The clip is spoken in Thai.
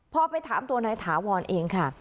พอไปถามตัวนายถาวรเองค่ะ